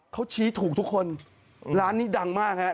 เขาชี้ถูกทุกคนร้านนี้ดังมากฮะ